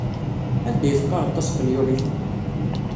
Anda ay teqqareḍ taspenyulit?